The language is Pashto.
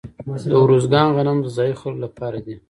د ارزګان غنم د ځايي خلکو لپاره دي.